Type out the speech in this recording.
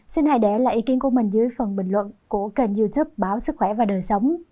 xin hãy để lại ý kiến của mình dưới phần bình luận của kênh youtube báo sức khỏe và đời sống